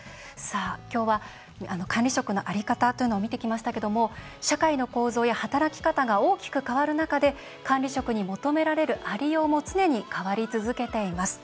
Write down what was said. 今日は管理職の在り方というのを見てきましたけども社会の構造や働き方が大きく変わる中で管理職に求められる、ありようも常に変わり続けています。